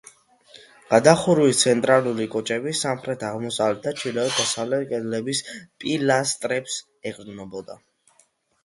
გადახურვის ცენტრალური კოჭები სამხრეთ-აღმოსავლეთ და ჩრდილო-დასავლეთ კედლების პილასტრებს ეყრდნობოდა.